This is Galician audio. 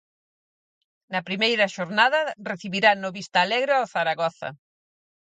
Na primeira xornada, recibirá no Vista Alegre ao Zaragoza.